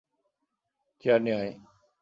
Chair নিয়ে আয়!